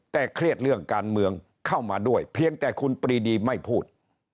แต่เครียดเรื่องการเมืองเข้ามาด้วยเพียงแต่คุณปรีดีไม่พูด